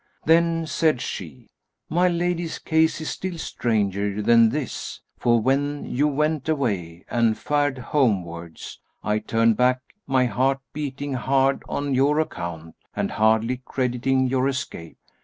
Then said she, "My lady's case is still stranger than this; for when you went away and fared homewards, I turned back, my heart beating hard on your account and hardly crediting your escape.